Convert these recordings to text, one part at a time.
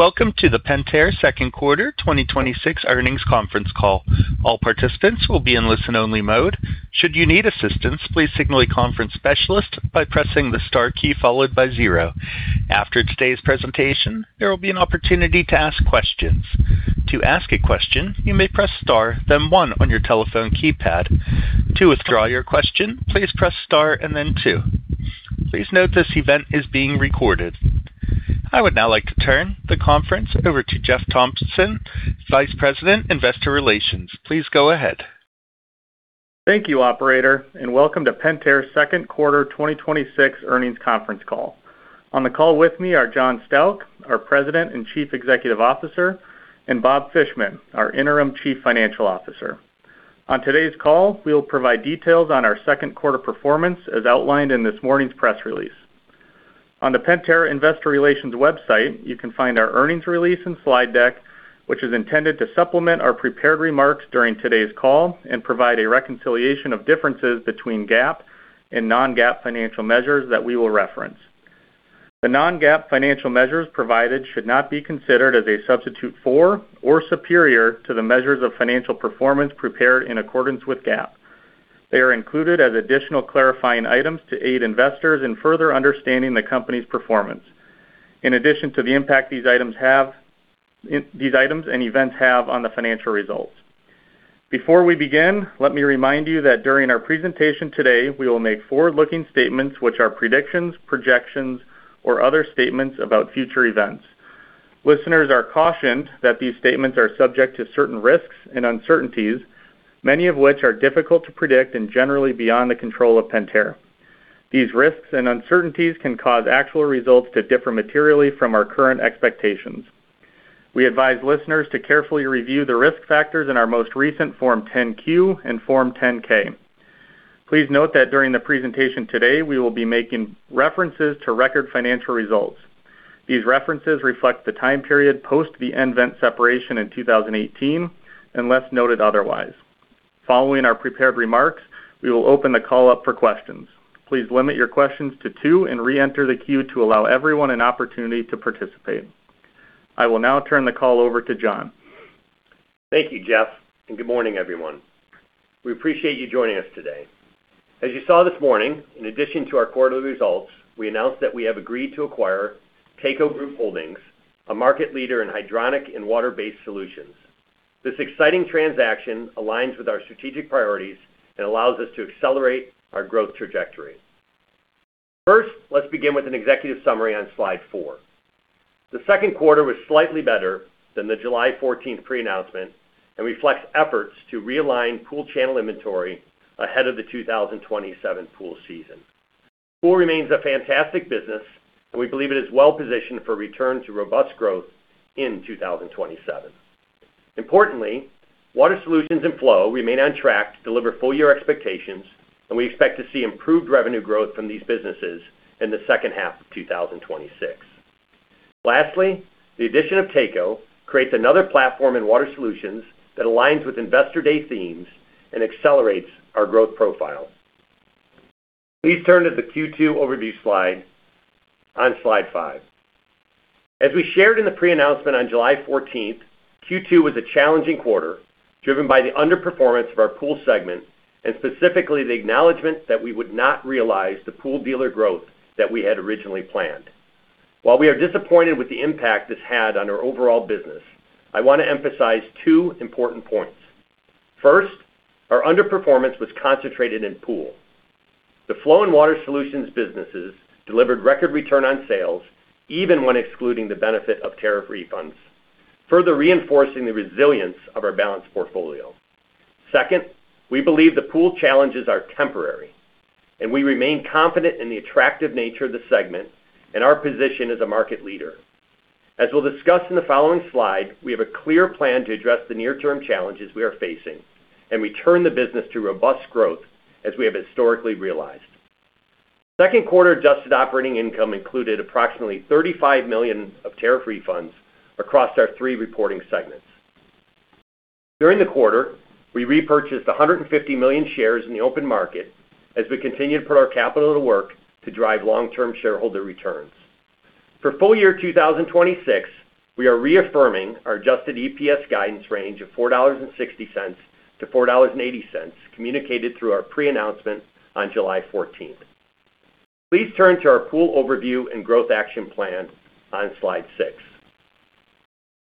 Welcome to the Pentair second quarter 2026 earnings conference call. All participants will be in listen-only mode. Should you need assistance, please signal a conference specialist by pressing the star key followed by zero. After today's presentation, there will be an opportunity to ask questions. To ask a question, you may press star, then one on your telephone keypad. To withdraw your question, please press star and then two. Please note this event is being recorded. I would now like to turn the conference over to Jeff Thompson, Vice President, Investor Relations. Please go ahead. Thank you, operator. Welcome to Pentair's second quarter 2026 earnings conference call. On the call with me are John Stauch, our President and Chief Executive Officer, and Bob Fishman, our interim Chief Financial Officer. On today's call, we will provide details on our second quarter performance as outlined in this morning's press release. On the Pentair Investor Relations website, you can find our earnings release and slide deck, which is intended to supplement our prepared remarks during today's call and provide a reconciliation of differences between GAAP and non-GAAP financial measures that we will reference. The non-GAAP financial measures provided should not be considered as a substitute for or superior to the measures of financial performance prepared in accordance with GAAP. They are included as additional clarifying items to aid investors in further understanding the company's performance, in addition to the impact these items and events have on the financial results. Before we begin, let me remind you that during our presentation today, we will make forward-looking statements, which are predictions, projections, or other statements about future events. Listeners are cautioned that these statements are subject to certain risks and uncertainties, many of which are difficult to predict and generally beyond the control of Pentair. These risks and uncertainties can cause actual results to differ materially from our current expectations. We advise listeners to carefully review the risk factors in our most recent Form 10-Q and Form 10-K. Please note that during the presentation today, we will be making references to record financial results. These references reflect the time period post the nVent separation in 2018, unless noted otherwise. Following our prepared remarks, we will open the call up for questions. Please limit your questions to two and re-enter the queue to allow everyone an opportunity to participate. I will now turn the call over to John. Thank you, Jeff, and good morning, everyone. We appreciate you joining us today. As you saw this morning, in addition to our quarterly results, we announced that we have agreed to acquire Taco Group Holdings, a market leader in hydronic and water-based solutions. This exciting transaction aligns with our strategic priorities and allows us to accelerate our growth trajectory. First, let's begin with an executive summary on slide four. The second quarter was slightly better than the July 14th pre-announcement and reflects efforts to realign Pool channel inventory ahead of the 2027 pool season. Pool remains a fantastic business, and we believe it is well positioned for return to robust growth in 2027. Importantly, Water Solutions and Flow remain on track to deliver full year expectations, and we expect to see improved revenue growth from these businesses in the second half of 2026. Lastly, the addition of Taco creates another platform in Water Solutions that aligns with Investor Day themes and accelerates our growth profile. Please turn to the Q2 overview slide on slide five. As we shared in the pre-announcement on July 14th, Q2 was a challenging quarter, driven by the underperformance of our Pool segment, and specifically the acknowledgement that we would not realize the pool dealer growth that we had originally planned. We are disappointed with the impact this had on our overall business, I want to emphasize two important points. First, our underperformance was concentrated in Pool. The Flow and Water Solutions businesses delivered record return on sales, even when excluding the benefit of tariff refunds, further reinforcing the resilience of our balanced portfolio. Second, we believe the Pool challenges are temporary, and we remain confident in the attractive nature of the segment and our position as a market leader. We'll discuss in the following slide, we have a clear plan to address the near-term challenges we are facing, and return the business to robust growth as we have historically realized. Second quarter adjusted operating income included approximately $35 million of tariff refunds across our three reporting segments. During the quarter, we repurchased 150 million shares in the open market as we continue to put our capital to work to drive long-term shareholder returns. For full year 2026, we are reaffirming our adjusted EPS guidance range of $4.60-$4.80, communicated through our pre-announcement on July 14th. Please turn to our Pool overview and growth action plan on slide six.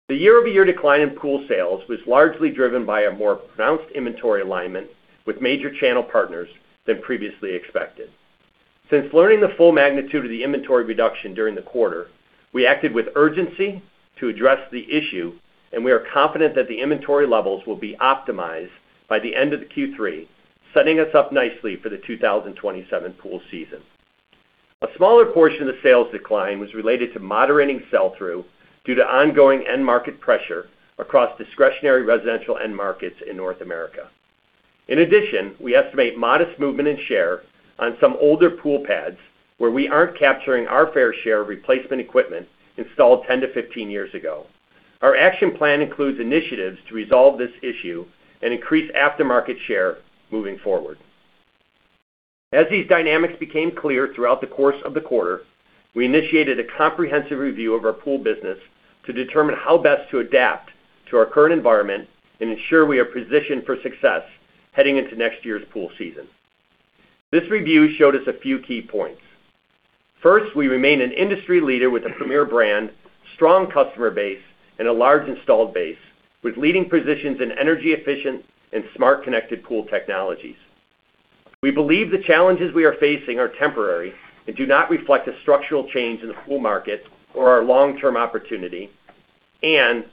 The year-over-year decline in Pool sales was largely driven by a more pronounced inventory alignment with major channel partners than previously expected. Learning the full magnitude of the inventory reduction during the quarter, we acted with urgency to address the issue, and we are confident that the inventory levels will be optimized by the end of the Q3, setting us up nicely for the 2027 pool season. A smaller portion of the sales decline was related to moderating sell-through due to ongoing end market pressure across discretionary residential end markets in North America. We estimate modest movement in share on some older pool pads where we aren't capturing our fair share of replacement equipment installed 10-15 years ago. Our action plan includes initiatives to resolve this issue and increase aftermarket share moving forward. As these dynamics became clear throughout the course of the quarter, we initiated a comprehensive review of our Pool business to determine how best to adapt to our current environment and ensure we are positioned for success heading into next year's Pool season. This review showed us a few key points. First, we remain an industry leader with a premier brand, strong customer base, and a large installed base, with leading positions in energy efficient and smart connected Pool technologies. We believe the challenges we are facing are temporary and do not reflect a structural change in the Pool market or our long-term opportunity.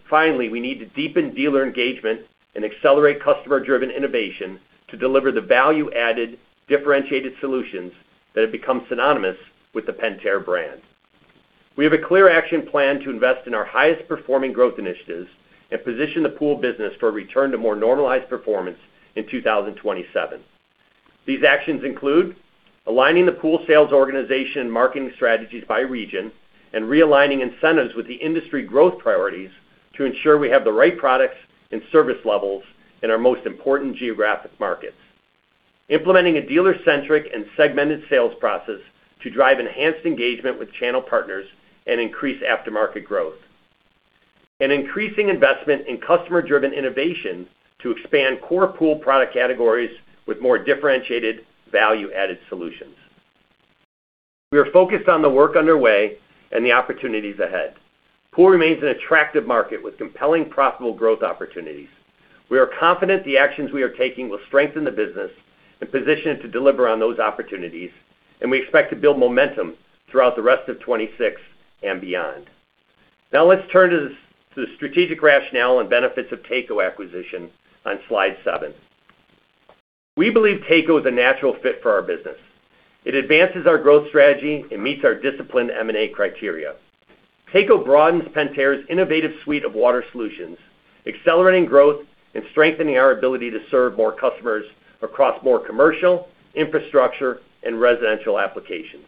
Finally, we need to deepen dealer engagement and accelerate customer-driven innovation to deliver the value-added differentiated solutions that have become synonymous with the Pentair brand. We have a clear action plan to invest in our highest performing growth initiatives and position the Pool business for a return to more normalized performance in 2027. These actions include aligning the Pool sales organization marketing strategies by region, and realigning incentives with the industry growth priorities to ensure we have the right products and service levels in our most important geographic markets. Implementing a dealer-centric and segmented sales process to drive enhanced engagement with channel partners and increase aftermarket growth. An increasing investment in customer-driven innovation to expand core Pool product categories with more differentiated value-added solutions. We are focused on the work underway and the opportunities ahead. Pool remains an attractive market with compelling profitable growth opportunities. We are confident the actions we are taking will strengthen the business and position it to deliver on those opportunities, and we expect to build momentum throughout the rest of 2026 and beyond. Now let's turn to the strategic rationale and benefits of Taco acquisition on slide seven. We believe Taco is a natural fit for our business. It advances our growth strategy and meets our disciplined M&A criteria. Taco broadens Pentair's innovative suite of Water Solutions, accelerating growth, and strengthening our ability to serve more customers across more commercial, infrastructure, and residential applications.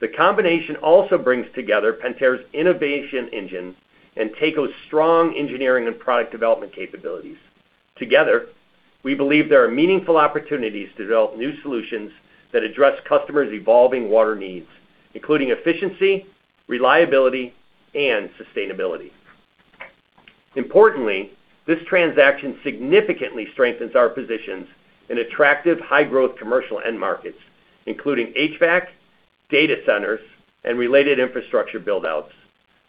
The combination also brings together Pentair's innovation engine and Taco's strong engineering and product development capabilities. Together, we believe there are meaningful opportunities to develop new solutions that address customers' evolving water needs, including efficiency, reliability, and sustainability. Importantly, this transaction significantly strengthens our positions in attractive high-growth commercial end markets, including HVAC, data centers, and related infrastructure build-outs.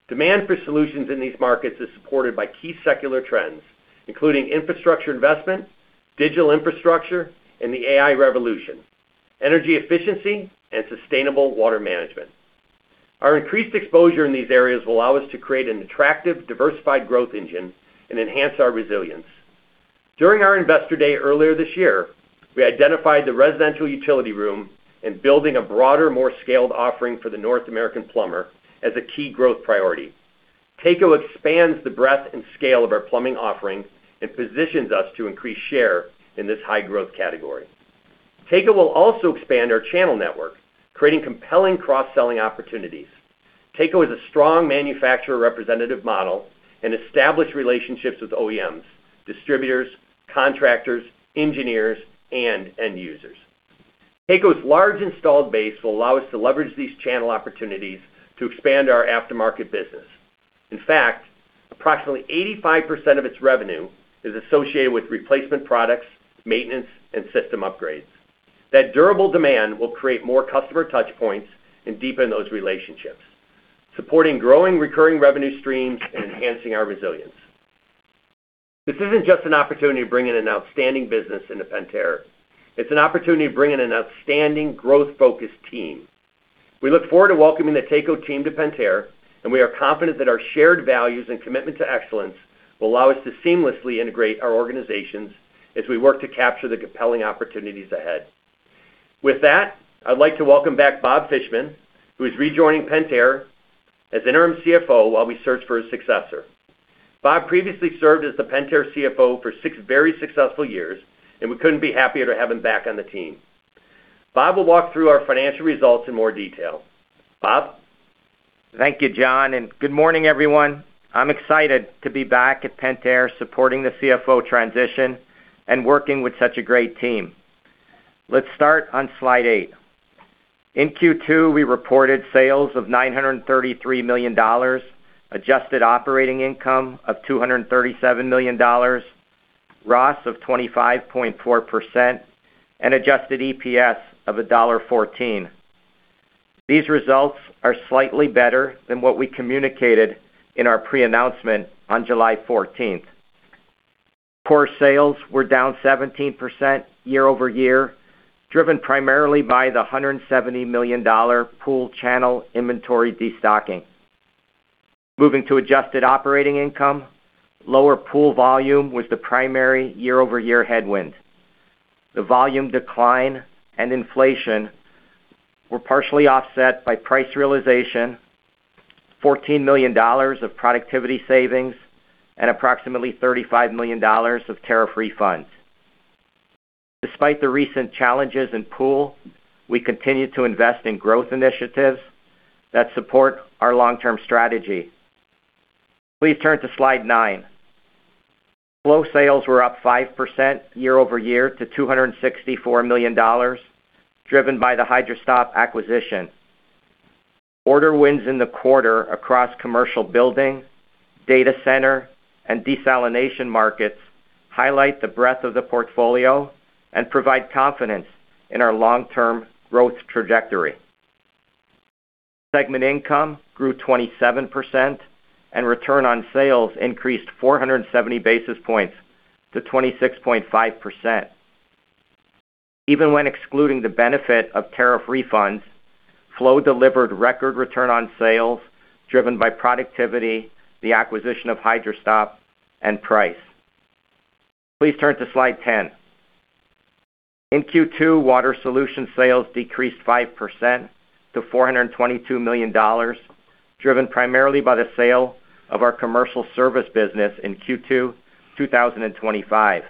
Demand for solutions in these markets is supported by key secular trends, including infrastructure investment, digital infrastructure, and the AI revolution, energy efficiency, and sustainable water management. Our increased exposure in these areas will allow us to create an attractive, diversified growth engine and enhance our resilience. During our Investor Day earlier this year, we identified the residential utility room and building a broader, more scaled offering for the North American plumber as a key growth priority. Taco expands the breadth and scale of our plumbing offerings and positions us to increase share in this high-growth category. Taco will also expand our channel network, creating compelling cross-selling opportunities. Taco is a strong manufacturer representative model and established relationships with OEMs, distributors, contractors, engineers, and end users. Taco's large installed base will allow us to leverage these channel opportunities to expand our aftermarket business. In fact, approximately 85% of its revenue is associated with replacement products, maintenance, and system upgrades. That durable demand will create more customer touchpoints and deepen those relationships, supporting growing recurring revenue streams and enhancing our resilience. This isn't just an opportunity to bring in an outstanding business into Pentair. It's an opportunity to bring in an outstanding growth-focused team. We look forward to welcoming the Taco team to Pentair, and we are confident that our shared values and commitment to excellence will allow us to seamlessly integrate our organizations as we work to capture the compelling opportunities ahead. With that, I'd like to welcome back Bob Fishman, who is rejoining Pentair as interim CFO while we search for a successor. Bob previously served as the Pentair CFO for six very successful years. We couldn't be happier to have him back on the team. Bob will walk through our financial results in more detail. Bob? Thank you, John. Good morning, everyone. I'm excited to be back at Pentair supporting the CFO transition, working with such a great team. Let's start on slide eight. In Q2, we reported sales of $933 million, adjusted operating income of $237 million, ROS of 25.4%, and adjusted EPS of $1.14. These results are slightly better than what we communicated in our pre-announcement on July 14th. Core sales were down 17% year-over-year, driven primarily by the $170 million Pool channel inventory de-stocking. Moving to adjusted operating income, lower Pool volume was the primary year-over-year headwind. The volume decline and inflation were partially offset by price realization, $14 million of productivity savings, and approximately $35 million of tariff refunds. Despite the recent challenges in Pool, we continue to invest in growth initiatives that support our long-term strategy. Please turn to slide nine. Flow sales were up 5% year-over-year to $264 million, driven by the Hydra-Stop acquisition. Order wins in the quarter across commercial building, data center, and desalination markets highlight the breadth of the portfolio and provide confidence in our long-term growth trajectory. Segment income grew 27%, and return on sales increased 470 basis points to 26.5%. Even when excluding the benefit of tariff refunds, Flow delivered record return on sales driven by productivity, the acquisition of Hydra-Stop, and price. Please turn to slide 10. In Q2, Water Solutions sales decreased 5% to $422 million, driven primarily by the sale of our commercial service business in Q2 2025.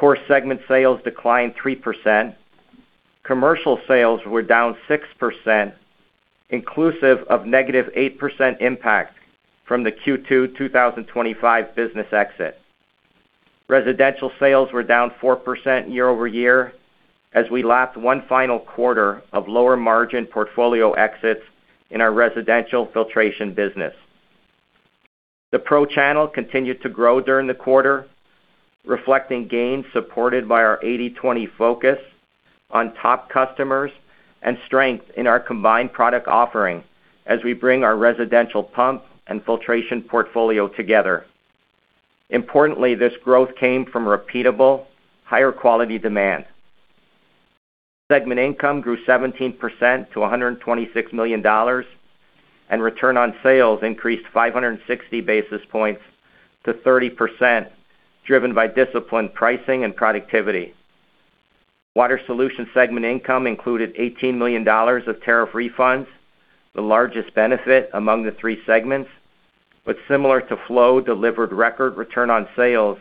Core segment sales declined 3%. Commercial sales were down 6%, inclusive of -8% impact from the Q2 2025 business exit. Residential sales were down 4% year-over-year, as we lapped one final quarter of lower margin portfolio exits in our residential filtration business. The pro channel continued to grow during the quarter, reflecting gains supported by our 80/20 focus on top customers and strength in our combined product offering as we bring our residential pump and filtration portfolio together. Importantly, this growth came from repeatable, higher quality demand. Segment income grew 17% to $126 million, and return on sales increased 560 basis points to 30%, driven by disciplined pricing and productivity. Water Solutions segment income included $18 million of tariff refunds, the largest benefit among the three segments, but similar to Flow, delivered record return on sales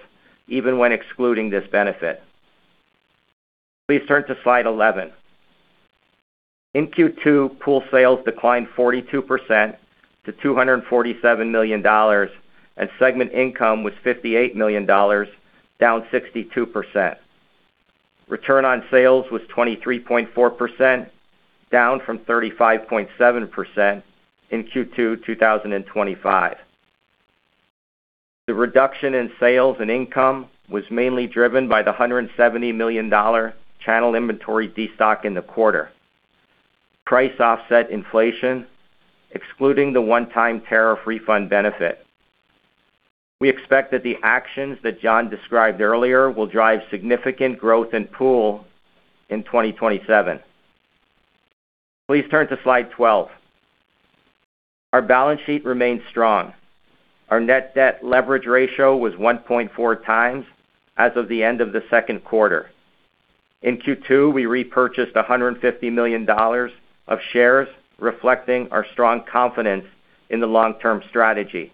even when excluding this benefit. Please turn to slide 11. In Q2, Pool sales declined 42% to $247 million, and segment income was $58 million, down 62%. Return on sales was 23.4%, down from 35.7% in Q2 2025. The reduction in sales and income was mainly driven by the $170 million channel inventory destock in the quarter. Price offset inflation, excluding the one-time tariff refund benefit. We expect that the actions that John described earlier will drive significant growth in Pool in 2027. Please turn to slide 12. Our balance sheet remains strong. Our net debt leverage ratio was 1.4x as of the end of the second quarter. In Q2, we repurchased $150 million of shares, reflecting our strong confidence in the long-term strategy.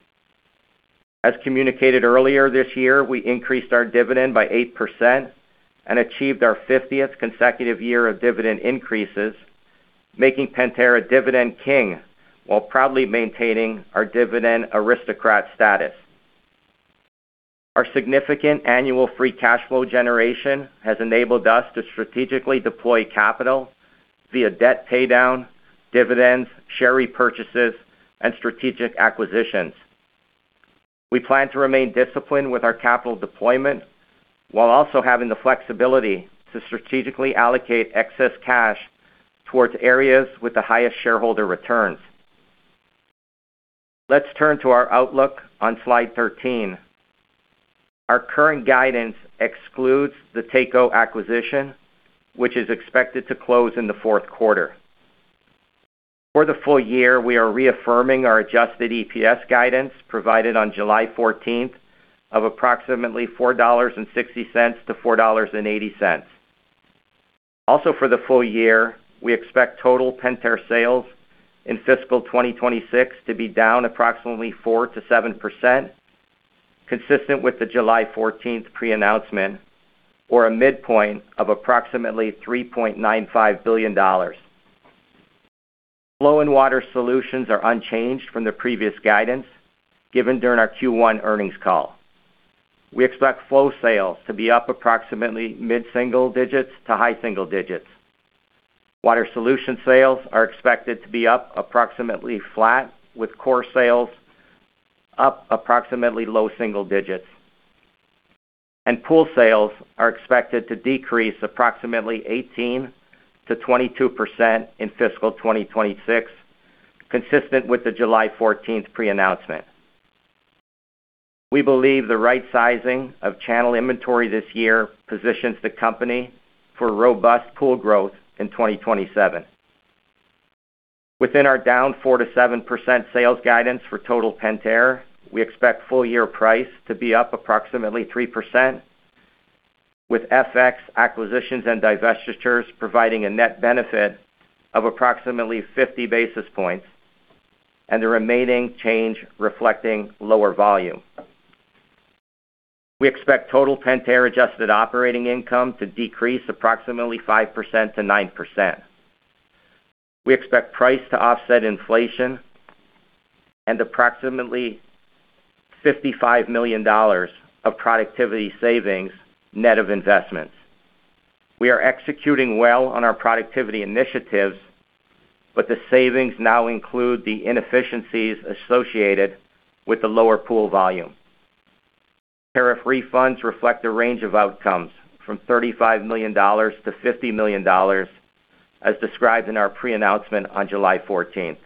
As communicated earlier this year, we increased our dividend by 8% and achieved our 50th consecutive year of dividend increases, making Pentair a Dividend King while proudly maintaining our Dividend Aristocrat status. Our significant annual free cash flow generation has enabled us to strategically deploy capital via debt paydown, dividends, share repurchases, and strategic acquisitions. Let's turn to our outlook on slide 13. Our current guidance excludes the Taco acquisition, which is expected to close in the fourth quarter. For the full year, we are reaffirming our adjusted EPS guidance provided on July 14th of approximately $4.60-$4.80. Also for the full year, we expect total Pentair sales in fiscal 2026 to be down approximately 4%-7%, consistent with the July 14th pre-announcement, or a midpoint of approximately $3.95 billion. Flow and Water Solutions are unchanged from the previous guidance given during our Q1 earnings call. Flow sales to be up approximately mid-single digits to high single digits. Water Solutions sales are expected to be up approximately flat, with core sales up approximately low single digits. Pool sales are expected to decrease approximately 18%-22% in fiscal 2026, consistent with the July 14th pre-announcement. We believe the right sizing of channel inventory this year positions the company for robust Pool growth in 2027. Within our down 4%-7% sales guidance for total Pentair, we expect full year price to be up approximately 3%, with FX acquisitions and divestitures providing a net benefit of approximately 50 basis points, and the remaining change reflecting lower volume. We expect total Pentair adjusted operating income to decrease approximately 5%-9%. We expect price to offset inflation and approximately $55 million of productivity savings net of investments. We are executing well on our productivity initiatives, but the savings now include the inefficiencies associated with the lower Pool volume. Tariff refunds reflect a range of outcomes from $35 million-$50 million, as described in our pre-announcement on July 14th.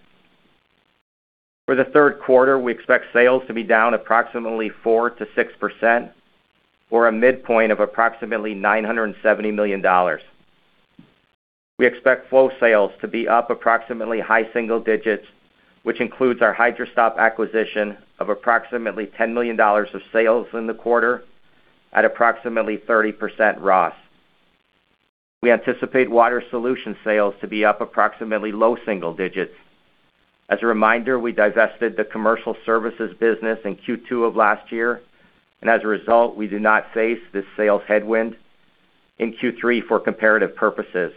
For the third quarter, we expect sales to be down approximately 4%-6%, or a midpoint of approximately $970 million. We expect Flow sales to be up approximately high single digits, which includes our Hydra-Stop acquisition of approximately $10 million of sales in the quarter at approximately 30% ROS. We anticipate Water Solutions sales to be up approximately low single digits. As a reminder, we divested the commercial services business in Q2 of last year, we do not face this sales headwind in Q3 for comparative purposes.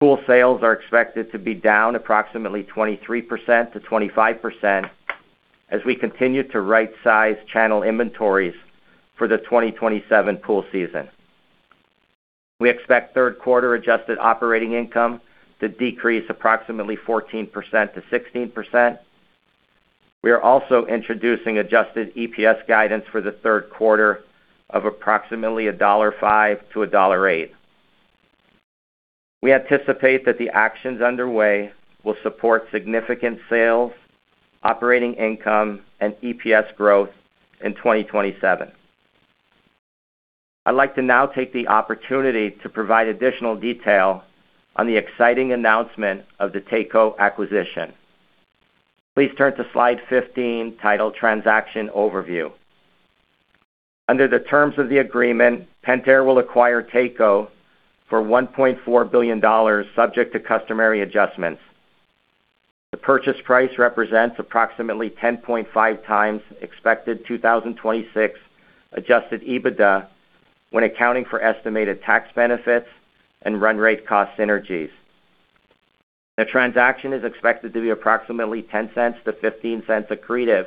Pool sales are expected to be down approximately 23%-25% as we continue to right size channel inventories for the 2027 Pool season. We expect third quarter adjusted operating income to decrease approximately 14%-16%. We are also introducing adjusted EPS guidance for the third quarter of approximately $1.50-$1.80. We anticipate that the actions underway will support significant sales, operating income, and EPS growth in 2027. I'd like to now take the opportunity to provide additional detail on the exciting announcement of the Taco acquisition. Please turn to slide 15, titled Transaction Overview. Under the terms of the agreement, Pentair will acquire Taco for $1.4 billion subject to customary adjustments. The purchase price represents approximately 10.5x expected 2026 adjusted EBITDA when accounting for estimated tax benefits and run rate cost synergies. The transaction is expected to be approximately $0.10-$0.15 accretive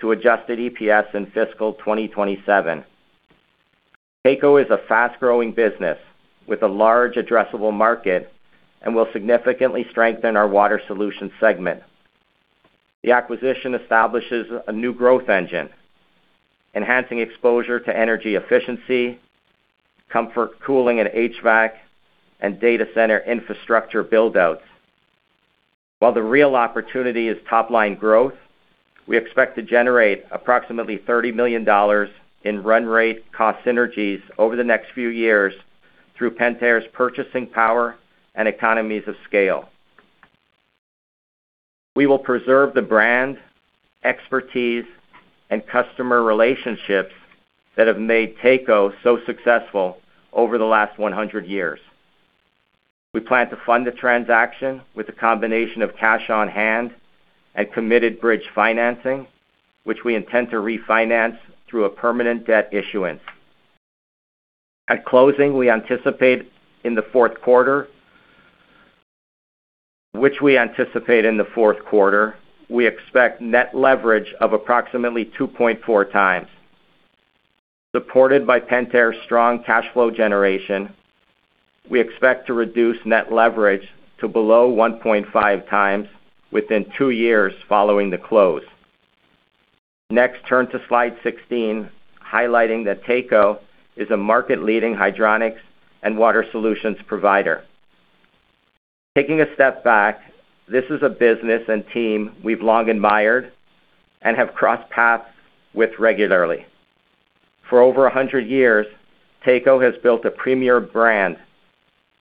to adjusted EPS in fiscal 2027. Taco is a fast-growing business with a large addressable market and will significantly strengthen our Water Solutions segment. The acquisition establishes a new growth engine, enhancing exposure to energy efficiency, comfort cooling and HVAC, and data center infrastructure build-outs. While the real opportunity is top-line growth, we expect to generate approximately $30 million in run rate cost synergies over the next few years through Pentair's purchasing power and economies of scale. We will preserve the brand, expertise, and customer relationships that have made Taco so successful over the last 100 years. We plan to fund the transaction with a combination of cash on hand and committed bridge financing, which we intend to refinance through a permanent debt issuance. At closing, we anticipate in the fourth quarter, we expect net leverage of approximately 2.4x. Supported by Pentair's strong cash flow generation, we expect to reduce net leverage to below 1.5x within two years following the close. Next, turn to slide 16, highlighting that Taco is a market-leading hydronics and Water Solutions provider. Taking a step back, this is a business and team we've long admired and have crossed paths with regularly. For over 100 years, Taco has built a premier brand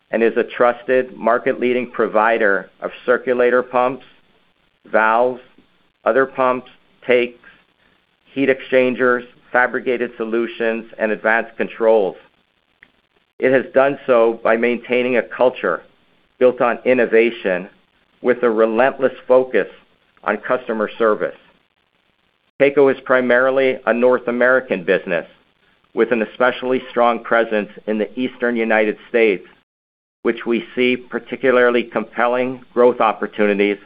and is a trusted market-leading provider of circulator pumps, valves, other pumps, tanks, heat exchangers, fabricated solutions, and advanced controls. It has done so by maintaining a culture built on innovation with a relentless focus on customer service. Taco is primarily a North American business with an especially strong presence in the Eastern U.S., which we see particularly compelling growth opportunities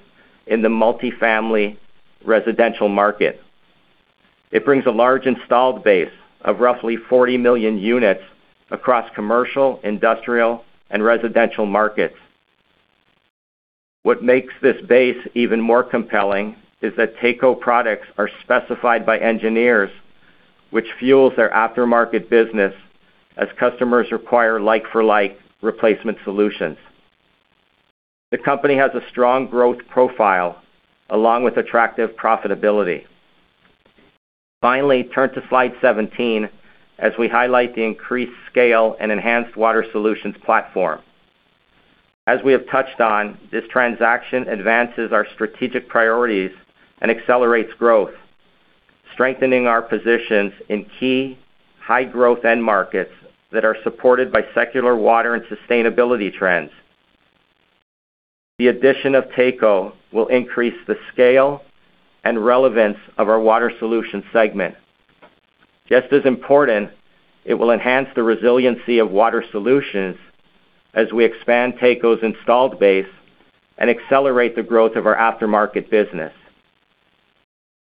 in the multifamily residential market. It brings a large installed base of roughly 40 million units across commercial, industrial, and residential markets. What makes this base even more compelling is that Taco products are specified by engineers, which fuels their aftermarket business as customers require like-for-like replacement solutions. The company has a strong growth profile along with attractive profitability. Finally, turn to slide 17 as we highlight the increased scale and enhanced Water Solutions platform. As we have touched on, this transaction advances our strategic priorities and accelerates growth, strengthening our positions in key high growth end markets that are supported by secular water and sustainability trends. The addition of Taco will increase the scale and relevance of our Water Solutions segment. Just as important, it will enhance the resiliency of Water Solutions as we expand Taco's installed base and accelerate the growth of our aftermarket business.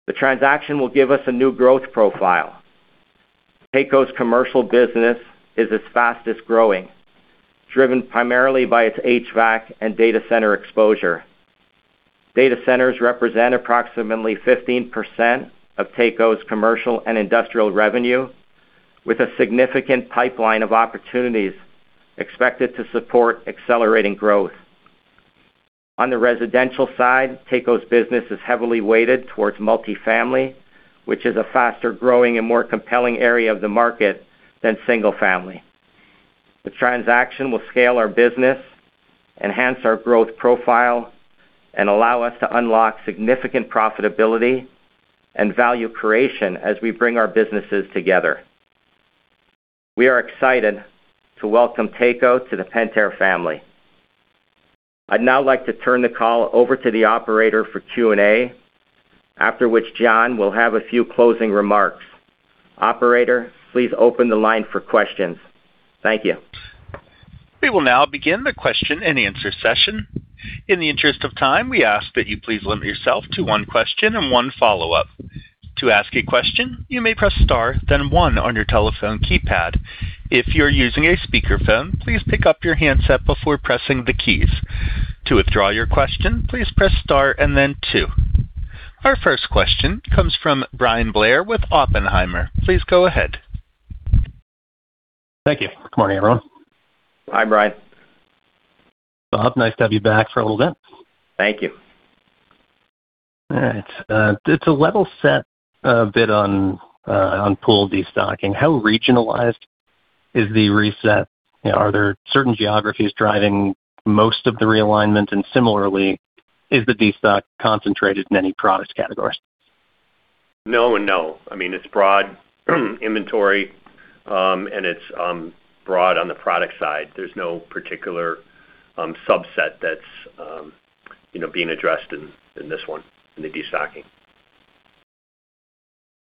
The transaction will give us a new growth profile. Taco's commercial business is its fastest growing, driven primarily by its HVAC and data center exposure. Data centers represent approximately 15% of Taco's commercial and industrial revenue, with a significant pipeline of opportunities expected to support accelerating growth. On the residential side, Taco's business is heavily weighted towards multi-family, which is a faster-growing and more compelling area of the market than single family. The transaction will scale our business, enhance our growth profile, and allow us to unlock significant profitability and value creation as we bring our businesses together. We are excited to welcome Taco to the Pentair family. I'd now like to turn the call over to the operator for Q&A, after which John will have a few closing remarks. Operator, please open the line for questions. Thank you. We will now begin the question-and-answer session. In the interest of time, we ask that you please limit yourself to one question and one follow-up. To ask a question, you may press star, then one on your telephone keypad. If you're using a speakerphone, please pick up your handset before pressing the keys. To withdraw your question, please press star and then two. Our first question comes from Bryan Blair with Oppenheimer. Please go ahead. Thank you. Good morning, everyone. Hi, Bryan. Bob, nice to have you back for a little bit. Thank you. All right. To level set a bit on Pool destocking, how regionalized is the reset? Are there certain geographies driving most of the realignment? Similarly, is the destock concentrated in any product categories? No and no. It's broad inventory, and it's broad on the product side. There's no particular subset that's being addressed in this one, in the destocking.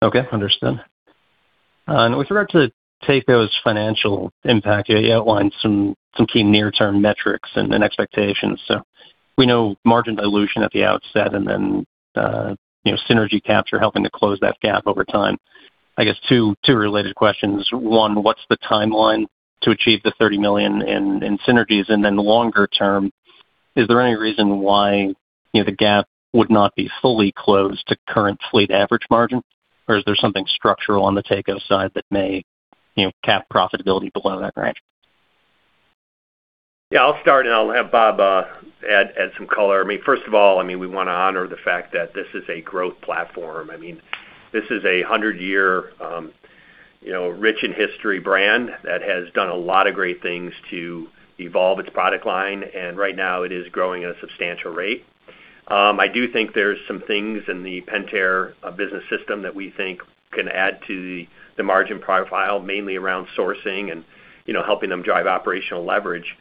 Okay. Understood. With regard to Taco's financial impact, you outlined some key near-term metrics and expectations. We know margin dilution at the outset, and then synergy capture helping to close that gap over time. I guess two related questions. One, what's the timeline to achieve the $30 million in synergies? Then longer term, is there any reason why the gap would not be fully closed to current fleet average margin? Is there something structural on the Taco side that may cap profitability below that range? Yeah, I'll start, and I'll have Bob add some color. First of all, we want to honor the fact that this is a growth platform. This is a 100-year rich in history brand that has done a lot of great things to evolve its product line, and right now it is growing at a substantial rate. I do think there's some things in the Pentair business system that we think can add to the margin profile, mainly around sourcing and helping them drive operational leverage.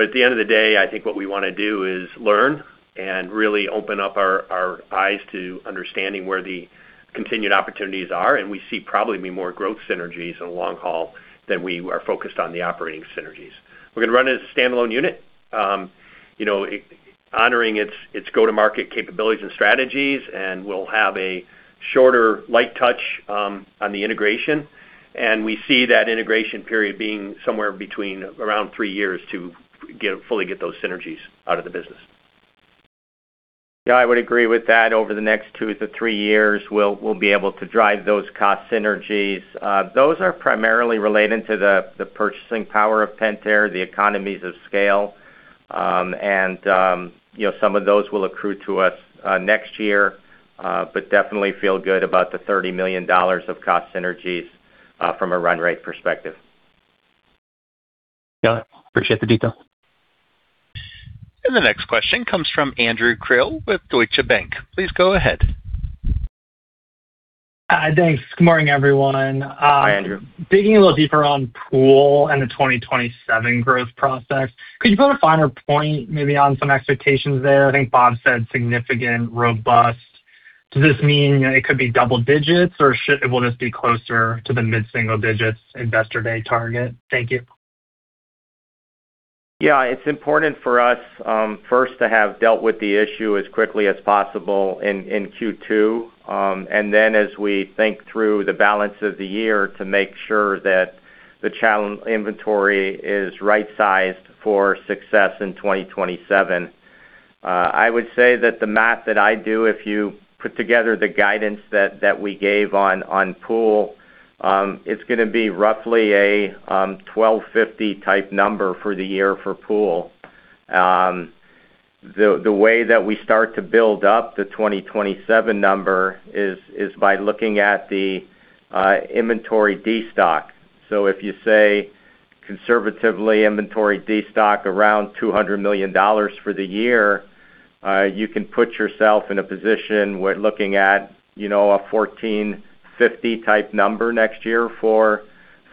At the end of the day, I think what we want to do is learn and really open up our eyes to understanding where the continued opportunities are, and we see probably more growth synergies in the long haul than we are focused on the operating synergies. We're going to run it as a standalone unit, honoring its go-to-market capabilities and strategies, we'll have a shorter light touch on the integration. We see that integration period being somewhere between around three years to fully get those synergies out of the business. Yeah, I would agree with that. Over the next two to three years, we'll be able to drive those cost synergies. Those are primarily related to the purchasing power of Pentair, the economies of scale. Some of those will accrue to us next year. Definitely feel good about the $30 million of cost synergies from a run rate perspective. Got it. Appreciate the detail. The next question comes from Andrew Krill with Deutsche Bank. Please go ahead. Hi, thanks. Good morning, everyone. Hi, Andrew. Digging a little deeper on Pool and the 2027 growth prospects, could you put a finer point maybe on some expectations there? I think Bob said significant, robust. Does this mean it could be double digits, or will this be closer to the mid-single digits Investor Day target? Thank you. Yeah. It's important for us, first, to have dealt with the issue as quickly as possible in Q2. Then as we think through the balance of the year to make sure that the channel inventory is right-sized for success in 2027. I would say that the math that I do, if you put together the guidance that we gave on Pool, it's going to be roughly a 1,250 type number for the year for Pool. The way that we start to build up the 2027 number is by looking at the inventory destock. If you say, conservatively, inventory destock around $200 million for the year, you can put yourself in a position where looking at a 1,450 type number next year for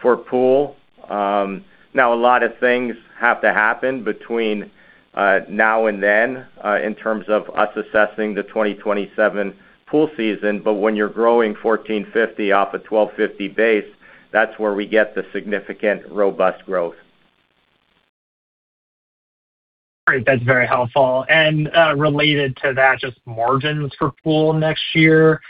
Pool. Now, a lot of things have to happen between now and then, in terms of us assessing the 2027 Pool season. When you're growing 1,450 off a 1,250 base, that's where we get the significant robust growth. Great. That's very helpful. Related to that, just margins for Pool next year,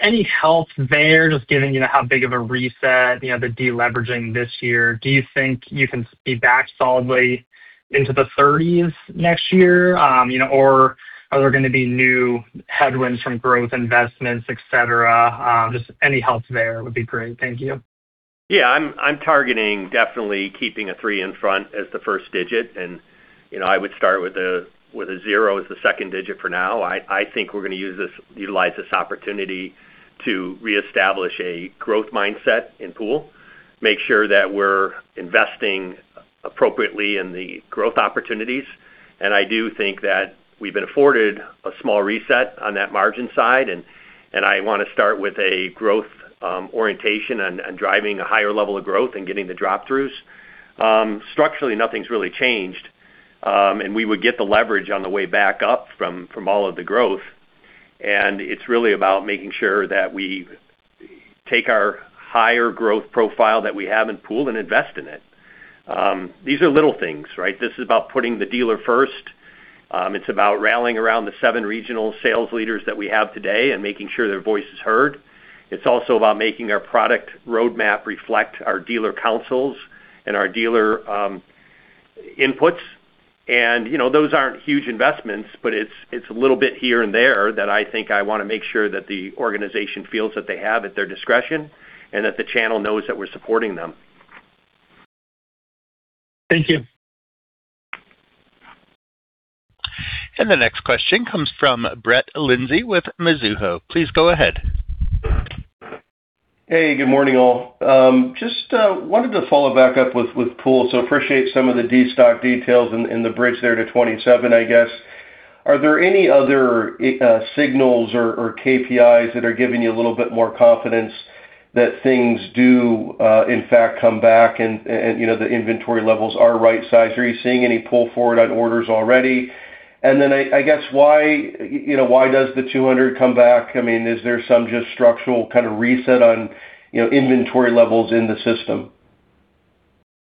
any help there? Just given how big of a reset, the deleveraging this year, do you think you can be back solidly into the 30s next year? Are there going to be new headwinds from growth investments, et cetera? Just any help there would be great. Thank you. I'm targeting definitely keeping a three in front as the first digit, and I would start with a zero as the second digit for now. I think we're going to utilize this opportunity to reestablish a growth mindset in Pool, make sure that we're investing appropriately in the growth opportunities, I do think that we've been afforded a small reset on that margin side, and I want to start with a growth orientation on driving a higher level of growth and getting the drop-throughs. Structurally, nothing's really changed. We would get the leverage on the way back up from all of the growth, and it's really about making sure that we take our higher growth profile that we have in Pool and invest in it. These are little things. This is about putting the dealer first. It's about rallying around the seven regional sales leaders that we have today and making sure their voice is heard. It's also about making our product roadmap reflect our dealer councils and our dealer inputs. Those aren't huge investments, but it's a little bit here and there that I think I want to make sure that the organization feels that they have at their discretion, and that the channel knows that we're supporting them. Thank you. The next question comes from Brett Linzey with Mizuho. Please go ahead. Hey, good morning, all. Just wanted to follow back up with Pool. Appreciate some of the destock details in the bridge there to 2027, I guess. Are there any other signals or KPIs that are giving you a little bit more confidence that things do in fact come back and the inventory levels are right-sized? Are you seeing any pull forward on orders already? I guess why does the 200 come back? Is there some just structural kind of reset on inventory levels in the system?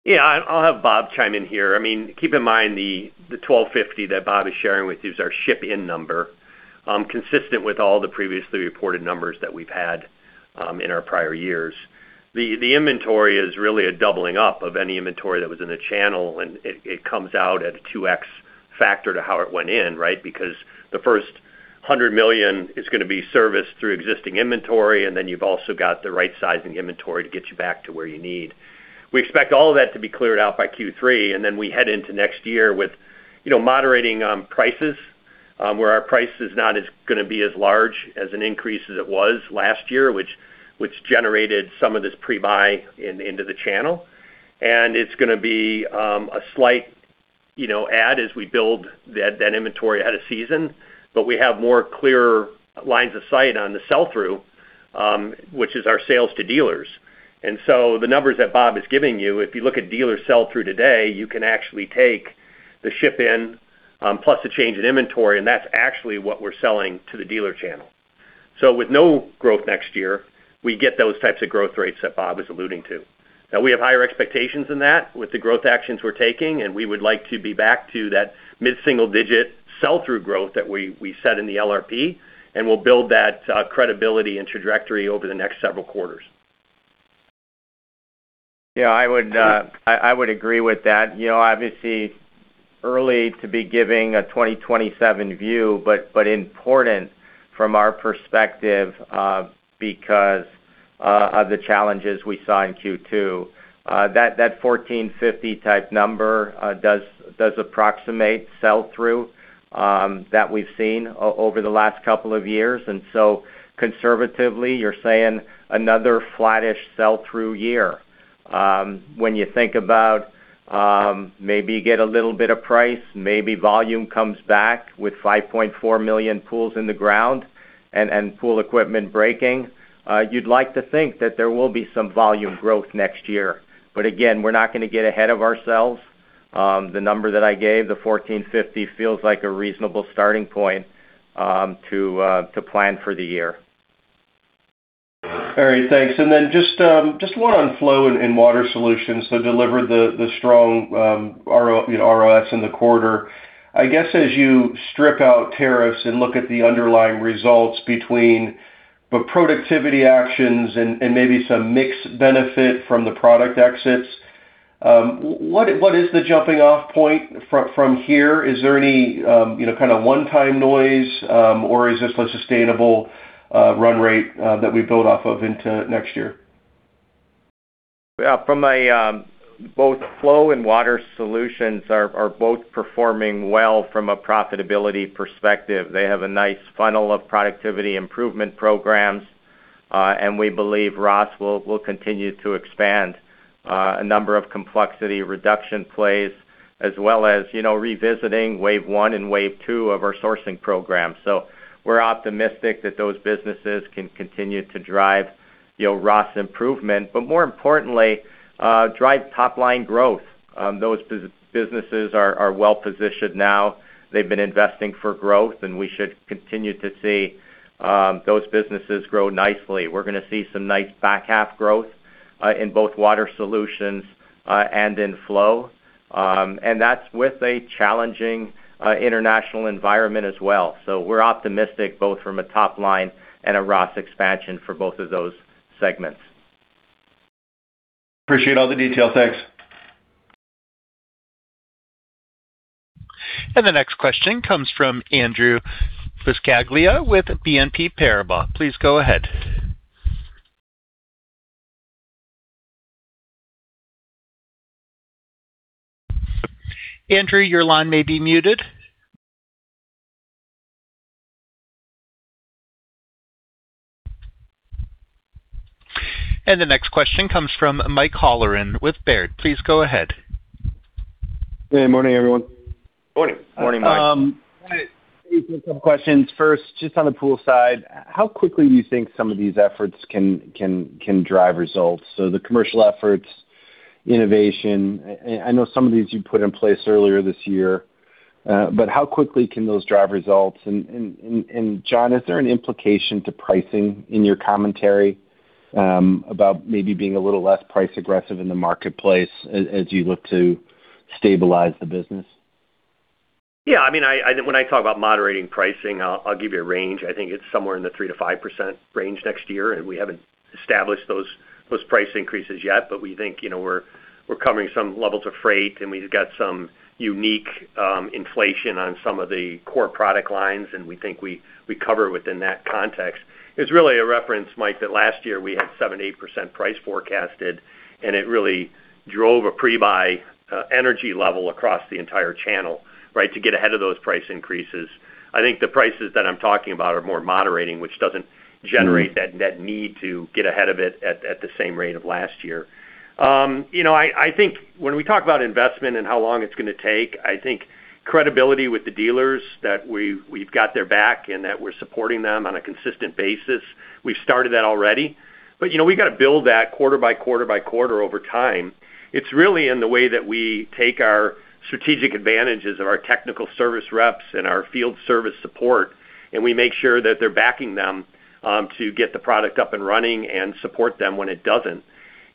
Yeah, I'll have Bob chime in here. Keep in mind the $1,250 that Bob is sharing with you is our ship-in number, consistent with all the previously reported numbers that we've had in our prior years. Because the inventory is really a doubling up of any inventory that was in the channel, and it comes out at a 2X factor to how it went in. The first $100 million is going to be serviced through existing inventory, and then you've also got the right size in inventory to get you back to where you need. We expect all of that to be cleared out by Q3, and then we head into next year with moderating prices, where our price is not as going to be as large as an increase as it was last year, which generated some of this pre-buy into the channel. It's going to be a slight add as we build that inventory out of season. We have more clear lines of sight on the sell-through, which is our sales to dealers. The numbers that Bob is giving you, if you look at dealer sell-through today, you can actually take the ship-in, plus the change in inventory, and that's actually what we're selling to the dealer channel. With no growth next year, we get those types of growth rates that Bob is alluding to. We have higher expectations than that with the growth actions we're taking, and we would like to be back to that mid-single-digit sell-through growth that we set in the LRP, and we'll build that credibility and trajectory over the next several quarters. Yeah, I would agree with that. Obviously early to be giving a 2027 view, but important from our perspective, because of the challenges we saw in Q2. That 1,450 type number does approximate sell-through that we've seen over the last couple of years, conservatively, you're saying another flattish sell-through year. When you think about maybe you get a little bit of price, maybe volume comes back with 5.4 million pools in the ground and pool equipment breaking. You'd like to think that there will be some volume growth next year. Again, we're not going to get ahead of ourselves. The number that I gave, the 1,450, feels like a reasonable starting point to plan for the year. All right. Thanks. Just one on Flow and Water Solutions that delivered the strong ROS in the quarter. I guess as you strip out tariffs and look at the underlying results between the productivity actions and maybe some mix benefit from the product exits, what is the jumping off point from here? Is there any kind of one-time noise? Is this a sustainable run rate that we build off of into next year? Yeah. Both Flow and Water Solutions are both performing well from a profitability perspective. They have a nice funnel of productivity improvement programs. We believe ROS will continue to expand a number of complexity reduction plays, as well as revisiting wave one and wave two of our sourcing program. We're optimistic that those businesses can continue to drive ROS improvement, but more importantly, drive top-line growth. Those businesses are well-positioned now. They've been investing for growth, and we should continue to see those businesses grow nicely. We're going to see some nice back half growth in both Water Solutions and in Flow. That's with a challenging international environment as well. We're optimistic both from a top line and a ROS expansion for both of those segments. Appreciate all the detail. Thanks. The next question comes from Andrew Buscaglia with BNP Paribas. Please go ahead. Andrew, your line may be muted. The next question comes from Mike Halloran with Baird. Please go ahead. Good morning, everyone. Morning. Morning, Mike. I want to ask a couple questions. First, just on the Pool side, how quickly do you think some of these efforts can drive results? The commercial efforts, innovation, I know some of these you put in place earlier this year. How quickly can those drive results? John, is there an implication to pricing in your commentary about maybe being a little less price aggressive in the marketplace as you look to stabilize the business? Yeah, when I talk about moderating pricing, I'll give you a range. I think it's somewhere in the 3%-5% range next year, and we haven't established those price increases yet. We think we're covering some levels of freight, and we've got some unique inflation on some of the core product lines, and we think we cover within that context. It's really a reference, Mike, that last year we had 7%, 8% price forecasted, and it really drove a pre-buy energy level across the entire channel to get ahead of those price increases. I think the prices that I'm talking about are more moderating, which doesn't generate that need to get ahead of it at the same rate of last year. I think when we talk about investment and how long it's going to take, I think credibility with the dealers that we've got their back and that we're supporting them on a consistent basis, we've started that already. We've got to build that quarter by quarter by quarter over time. It's really in the way that we take our strategic advantages of our technical service reps and our field service support, and we make sure that they're backing them to get the product up and running and support them when it doesn't.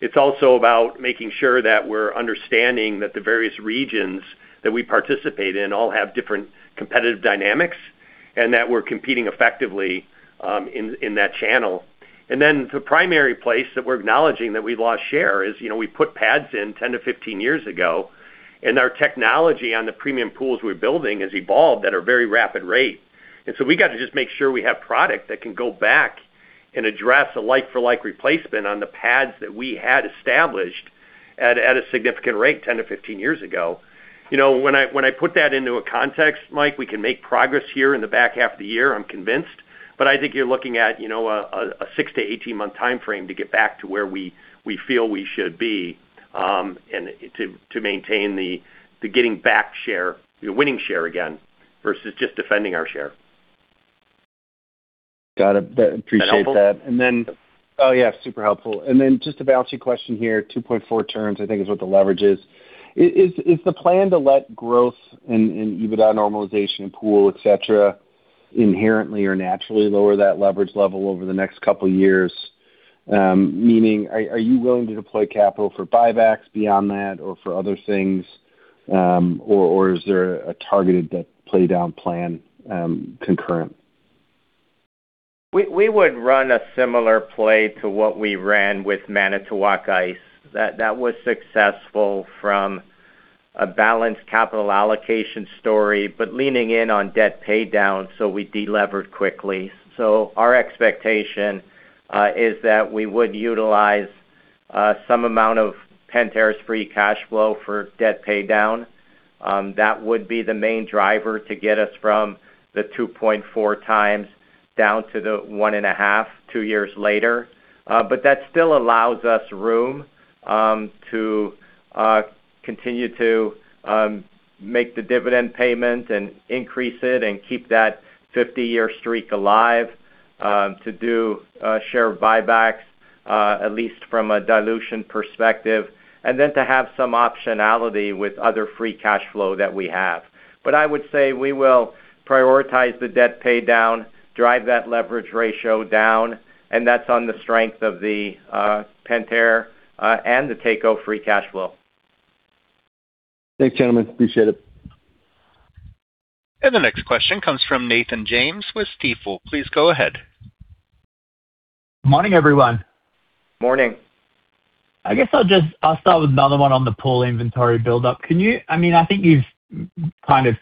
It's also about making sure that we're understanding that the various regions that we participate in all have different competitive dynamics, and that we're competing effectively in that channel. The primary place that we're acknowledging that we lost share is, we put pads in 10-15 years ago, our technology on the premium Pools we're building has evolved at a very rapid rate. We got to just make sure we have product that can go back and address a like-for-like replacement on the pads that we had established at a significant rate 10-15 years ago. When I put that into a context, Mike, we can make progress here in the back half of the year, I'm convinced. I think you're looking at a six to 18 month timeframe to get back to where we feel we should be, and to maintain the getting back share, winning share again, versus just defending our share. Got it. Appreciate that. Was that helpful? Oh, yeah. Super helpful. Just a balancing question here, 2.4 turns, I think is what the leverage is. Is the plan to let growth and EBITDA normalization in Pool, et cetera, inherently or naturally lower that leverage level over the next couple years? Meaning, are you willing to deploy capital for buybacks beyond that or for other things? Is there a targeted debt pay down plan concurrent? We would run a similar play to what we ran with Manitowoc Ice. That was successful from a balanced capital allocation story, leaning in on debt pay down, we de-levered quickly. Our expectation is that we would utilize some amount of Pentair's free cash flow for debt pay down. That would be the main driver to get us from the 2.4x down to the 1.5, two years later. That still allows us room to continue to make the dividend payment and increase it and keep that 50-year streak alive to do share buybacks, at least from a dilution perspective, and then to have some optionality with other free cash flow that we have. I would say we will prioritize the debt pay down, drive that leverage ratio down, and that's on the strength of the Pentair and the Taco free cash flow. Thanks, gentlemen. Appreciate it. The next question comes from Nathan Jones with Stifel. Please go ahead. Morning, everyone. Morning. I guess I'll start with another one on the Pool inventory buildup. I think you've kind of,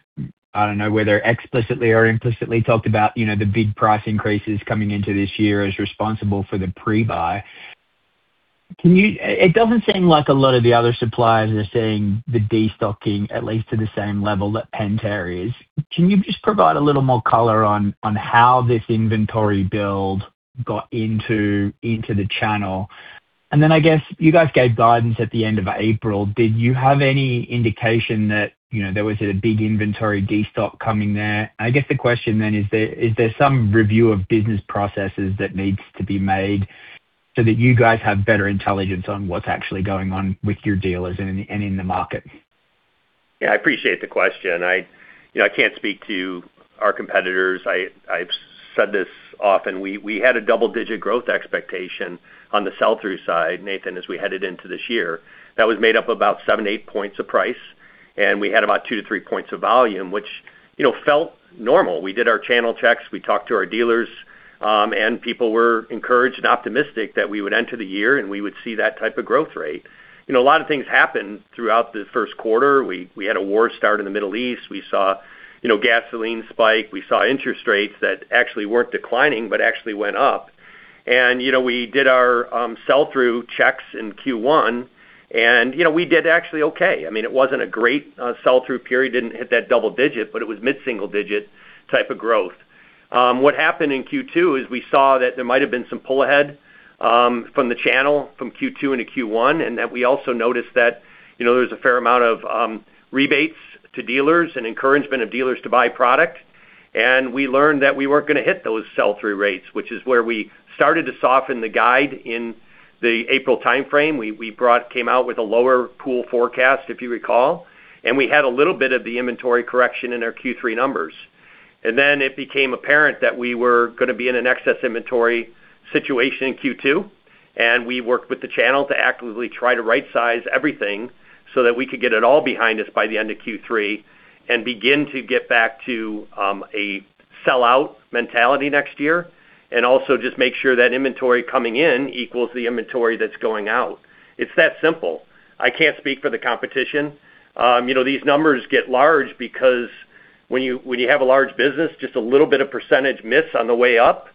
I don't know, whether explicitly or implicitly talked about the big price increases coming into this year as responsible for the pre-buy. It doesn't seem like a lot of the other suppliers are seeing the destocking, at least to the same level that Pentair is. Can you just provide a little more color on how this inventory build got into the channel? I guess you guys gave guidance at the end of April. Did you have any indication that there was a big inventory destock coming there? I guess the question then is there some review of business processes that needs to be made so that you guys have better intelligence on what's actually going on with your dealers and in the market? Yeah, I appreciate the question. I can't speak to our competitors. I've said this often. We had a double-digit growth expectation on the sell-through side, Nathan, as we headed into this year. That was made up about seven, eight points of price, we had about two to three points of volume, which felt normal. We did our channel checks, we talked to our dealers, people were encouraged and optimistic that we would enter the year and we would see that type of growth rate. A lot of things happened throughout the first quarter. We had a war start in the Middle East. We saw gasoline spike. We saw interest rates that actually weren't declining, but actually went up. We did our sell-through checks in Q1, we did actually okay. It wasn't a great sell-through period, didn't hit that double digit, but it was mid-single digit type of growth. What happened in Q2 is we saw that there might have been some pull ahead from the channel, from Q2 into Q1, we also noticed that there was a fair amount of rebates to dealers and encouragement of dealers to buy product. We learned that we weren't going to hit those sell-through rates, which is where we started to soften the guide in the April timeframe. We came out with a lower Pool forecast, if you recall, we had a little bit of the inventory correction in our Q3 numbers. It became apparent that we were going to be in an excess inventory situation in Q2, we worked with the channel to actively try to right size everything so that we could get it all behind us by the end of Q3, begin to get back to a sellout mentality next year. Just make sure that inventory coming in equals the inventory that's going out. It's that simple. I can't speak for the competition. These numbers get large because when you have a large business, just a little bit of percentage miss on the way up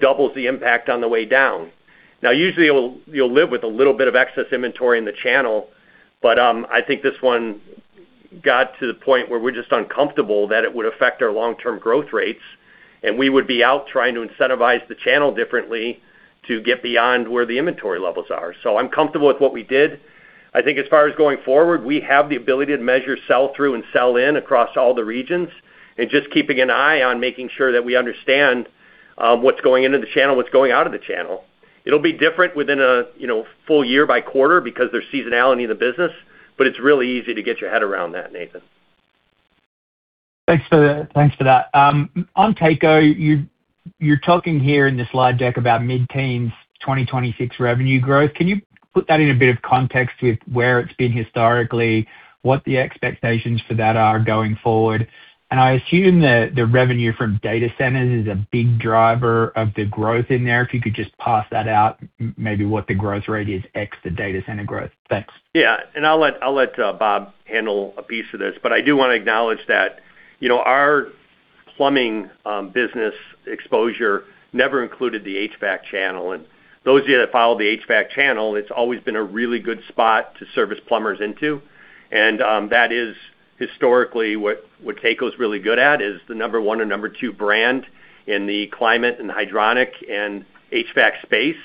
doubles the impact on the way down. Usually you'll live with a little bit of excess inventory in the channel, but I think this one got to the point where we're just uncomfortable that it would affect our long-term growth rates, and we would be out trying to incentivize the channel differently to get beyond where the inventory levels are. I'm comfortable with what we did. I think as far as going forward, we have the ability to measure sell-through and sell-in across all the regions, and just keeping an eye on making sure that we understand what's going into the channel, what's going out of the channel. It'll be different within a full year by quarter because there's seasonality in the business, but it's really easy to get your head around that, Nathan. Thanks for that. On Taco, you're talking here in the slide deck about mid teens 2026 revenue growth. Can you put that in a bit of context with where it's been historically, what the expectations for that are going forward? I assume the revenue from data centers is a big driver of the growth in there. If you could just parse that out, maybe what the growth rate is ex the data center growth. Thanks. I'll let Bob handle a piece of this, but I do want to acknowledge that our plumbing business exposure never included the HVAC channel. Those of you that follow the HVAC channel, it's always been a really good spot to service plumbers into. That is historically what Taco's really good at, is the number one or number two brand in the climate and hydronic and HVAC space.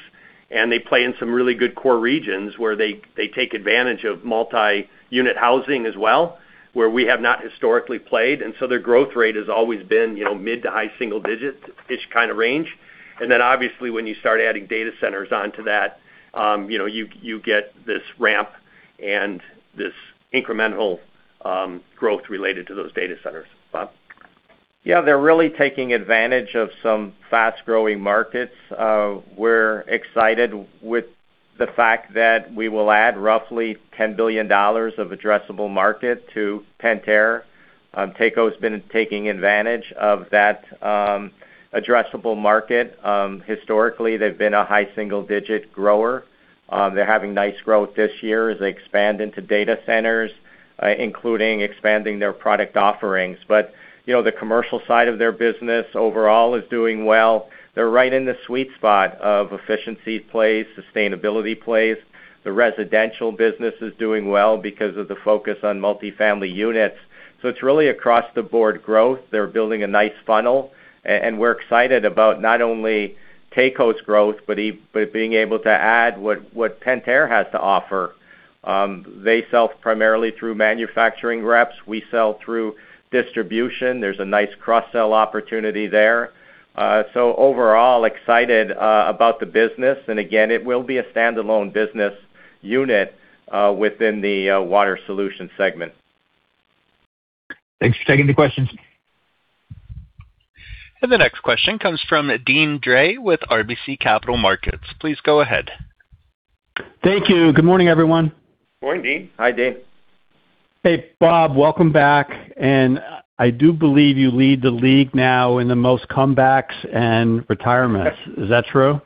They play in some really good core regions where they take advantage of multi-unit housing as well, where we have not historically played. Their growth rate has always been mid to high single digit-ish kind of range. Obviously, when you start adding data centers onto that, you get this ramp and this incremental growth related to those data centers. Bob? They're really taking advantage of some fast-growing markets. We're excited with the fact that we will add roughly $10 billion of addressable market to Pentair. Taco's been taking advantage of that addressable market. Historically, they've been a high single digit grower. They're having nice growth this year as they expand into data centers, including expanding their product offerings. The commercial side of their business overall is doing well. They're right in the sweet spot of efficiency plays, sustainability plays. The residential business is doing well because of the focus on multi-family units. It's really across the board growth. They're building a nice funnel, and we're excited about not only Taco's growth, but being able to add what Pentair has to offer. They sell primarily through manufacturing reps. We sell through distribution. There's a nice cross-sell opportunity there. Overall, excited about the business. Again, it will be a standalone business unit within the Water Solutions segment. Thanks for taking the questions. The next question comes from Deane Dray with RBC Capital Markets. Please go ahead. Thank you. Good morning, everyone. Morning, Deane. Hi, Deane. Hey, Bob, welcome back, and I do believe you lead the league now in the most comebacks and retirements. Is that true?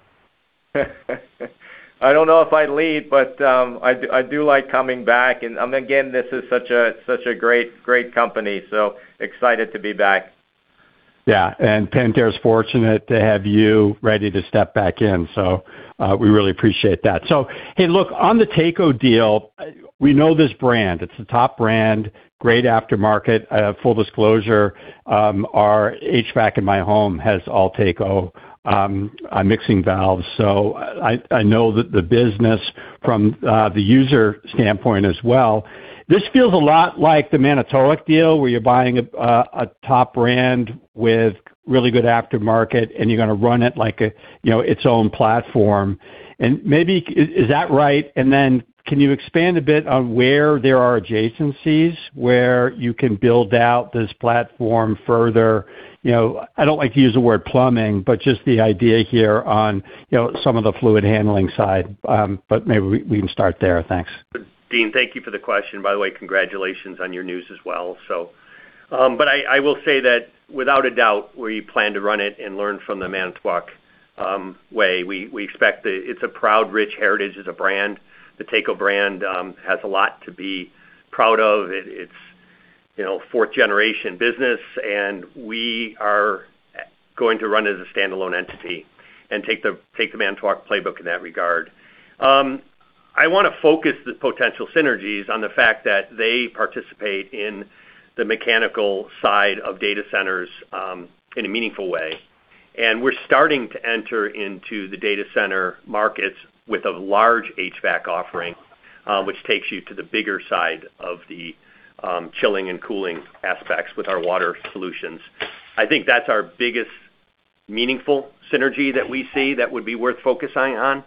I don't know if I lead, but I do like coming back. Again, this is such a great company, so excited to be back. Yeah. Pentair is fortunate to have you ready to step back in. We really appreciate that. Hey, look, on the Taco deal, we know this brand. It's a top brand, great aftermarket. Full disclosure, our HVAC in my home has all Taco mixing valves. I know the business from the user standpoint as well. This feels a lot like the Manitowoc deal, where you're buying a top brand with really good aftermarket, and you're going to run it like its own platform. Maybe, is that right? Can you expand a bit on where there are adjacencies where you can build out this platform further? I don't like to use the word plumbing, but just the idea here on some of the fluid handling side. Maybe we can start there. Thanks. Deane, thank you for the question. By the way, congratulations on your news as well. I will say that without a doubt, we plan to run it and learn from the Manitowoc way. We expect that it's a proud, rich heritage as a brand. The Taco brand has a lot to be proud of. It's fourth-generation business, and we are going to run it as a standalone entity and take the Manitowoc playbook in that regard. I want to focus the potential synergies on the fact that they participate in the mechanical side of data centers, in a meaningful way. We're starting to enter into the data center markets with a large HVAC offering, which takes you to the bigger side of the chilling and cooling aspects with our Water Solutions. I think that's our biggest meaningful synergy that we see that would be worth focusing on,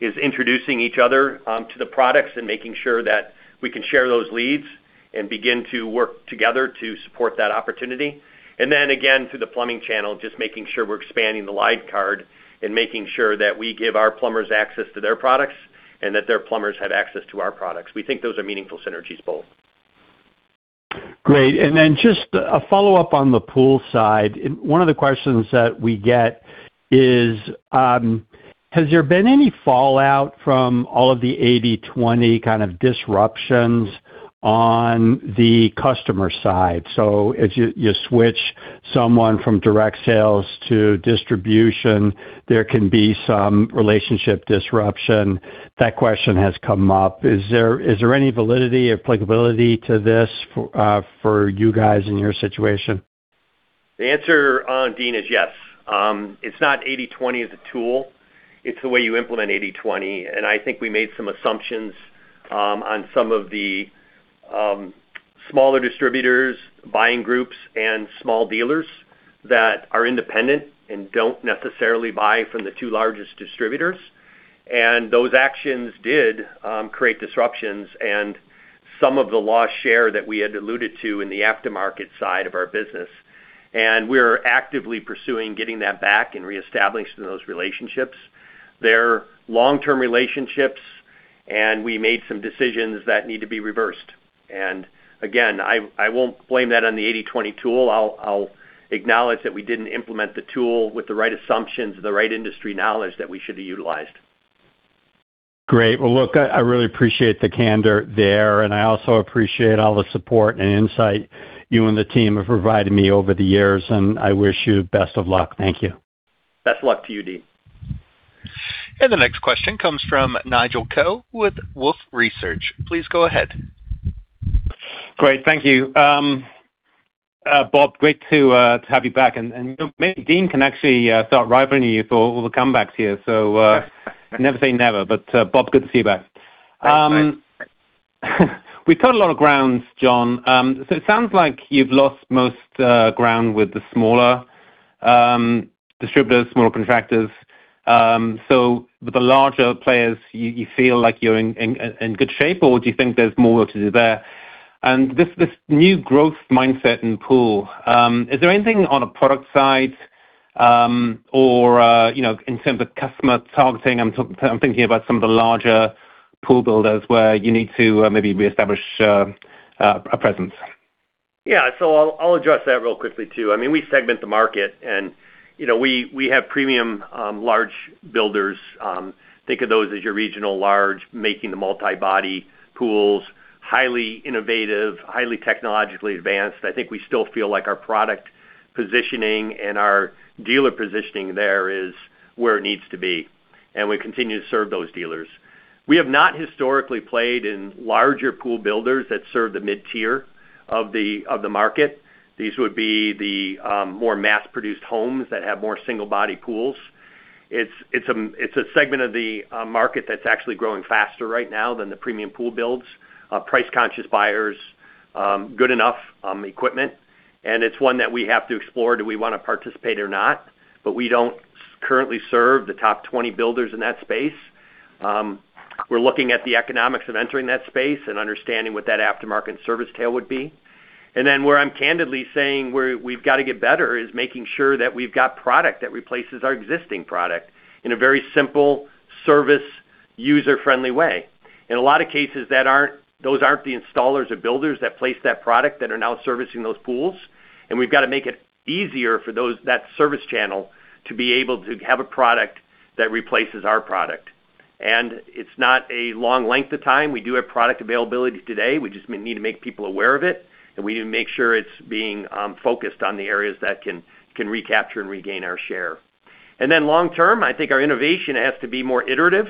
is introducing each other to the products and making sure that we can share those leads and begin to work together to support that opportunity. Again, to the plumbing channel, just making sure we're expanding the line card and making sure that we give our plumbers access to their products and that their plumbers have access to our products. We think those are meaningful synergies, both. Great. Just a follow-up on the Pool side. One of the questions that we get is, has there been any fallout from all of the 80/20 kind of disruptions on the customer side? As you switch someone from direct sales to distribution, there can be some relationship disruption. That question has come up. Is there any validity or applicability to this, for you guys in your situation? The answer, Deane, is yes. It's not 80/20 as a tool. It's the way you implement 80/20. I think we made some assumptions on some of the smaller distributors, buying groups, and small dealers that are independent and don't necessarily buy from the two largest distributors. Those actions did create disruptions and some of the lost share that we had alluded to in the aftermarket side of our business. We're actively pursuing getting that back and reestablishing those relationships. They're long-term relationships, and we made some decisions that need to be reversed. Again, I won't blame that on the 80/20 tool. I'll acknowledge that we didn't implement the tool with the right assumptions and the right industry knowledge that we should have utilized. Great. I really appreciate the candor there, and I also appreciate all the support and insight you and the team have provided me over the years, and I wish you best of luck. Thank you. Best luck to you, Deane. The next question comes from Nigel Coe with Wolfe Research. Please go ahead. Great. Thank you. Bob, great to have you back. Maybe Deane can actually start rivaling you for all the comebacks here, never say never, but, Bob, good to see you back. Thanks, mate. We've caught a lot of grounds, John. It sounds like you've lost most ground with the smaller distributors, smaller contractors. With the larger players, you feel like you're in good shape, or do you think there's more work to do there? This new growth mindset in Pool, is there anything on a product side, or in terms of customer targeting? I'm thinking about some of the larger Pool builders where you need to maybe reestablish a presence. I'll address that real quickly, too. We segment the market. We have premium large builders. Think of those as your regional large, making the multi-body pools, highly innovative, highly technologically advanced. I think we still feel like our product positioning and our dealer positioning there is where it needs to be. We continue to serve those dealers. We have not historically played in larger pool builders that serve the mid-tier of the market. These would be the more mass-produced homes that have more single-body pools. It's a segment of the market that's actually growing faster right now than the premium Pool builds. Price-conscious buyers, good enough equipment. It's one that we have to explore, do we want to participate or not. We don't currently serve the top 20 builders in that space. We're looking at the economics of entering that space and understanding what that aftermarket service tail would be. Where I'm candidly saying where we've got to get better is making sure that we've got product that replaces our existing product in a very simple service user-friendly way. In a lot of cases, those aren't the installers or builders that place that product that are now servicing those pools. We've got to make it easier for that service channel to be able to have a product that replaces our product. It's not a long length of time. We do have product availability today. We just need to make people aware of it. We need to make sure it's being focused on the areas that can recapture and regain our share. Long term, I think our innovation has to be more iterative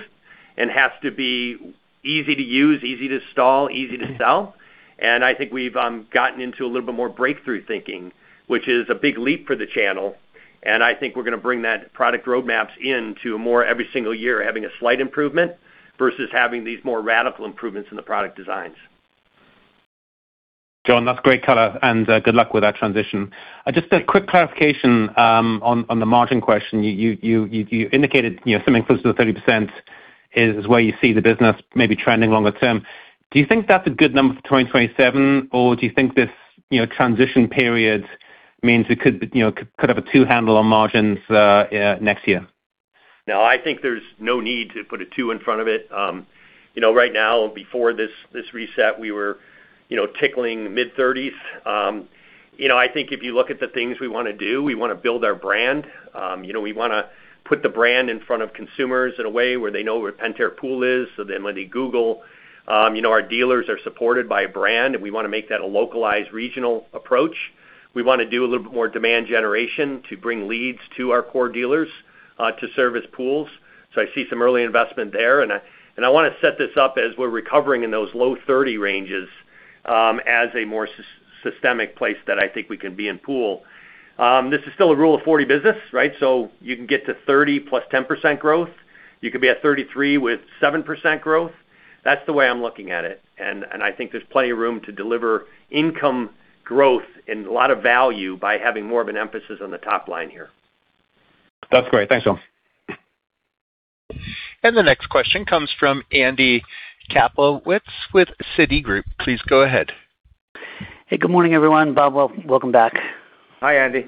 and has to be easy to use, easy to install, easy to sell. I think we've gotten into a little bit more breakthrough thinking, which is a big leap for the channel. I think we're going to bring that product roadmaps into a more every single year, having a slight improvement versus having these more radical improvements in the product designs. John, that's great color. Good luck with that transition. Just a quick clarification on the margin question. You indicated something close to the 30% is where you see the business maybe trending longer term. Do you think that's a good number for 2027, or do you think this transition period means it could have a two handle on margins next year? No, I think there's no need to put a two in front of it. Right now, before this reset, we were tickling mid-30s. I think if you look at the things we want to do, we want to build our brand. We want to put the brand in front of consumers in a way where they know where Pentair Pool is. When they Google, our dealers are supported by a brand, and we want to make that a localized regional approach. We want to do a little bit more demand generation to bring leads to our core dealers to service pools. I see some early investment there, and I want to set this up as we're recovering in those low 30 ranges as a more systemic place that I think we can be in Pool. This is still a rule of 40 business, right? You can get to 30+ 10% growth. You could be at 33 with 7% growth. That's the way I'm looking at it, and I think there's plenty of room to deliver income growth and a lot of value by having more of an emphasis on the top line here. That's great. Thanks, John. The next question comes from Andy Kaplowitz with Citigroup. Please go ahead. Hey, good morning, everyone. Bob, welcome back. Hi, Andy.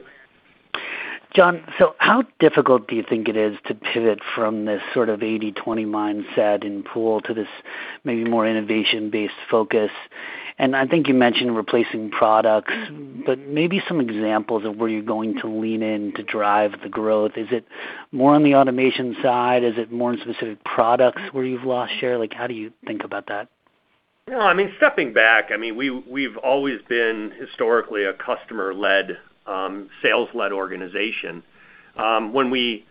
John, how difficult do you think it is to pivot from this sort of 80/20 mindset in Pool to this maybe more innovation-based focus? I think you mentioned replacing products, but maybe some examples of where you're going to lean in to drive the growth. Is it more on the automation side? Is it more in specific products where you've lost share? How do you think about that? No, stepping back, we've always been historically a customer-led, sales-led organization. When we